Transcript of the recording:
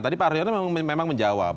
tadi pak haryono memang menjawab